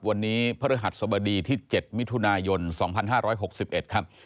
วันนี้พระฤหัสสบดีที่๗มิถุนายน๒๕๖๑ครับ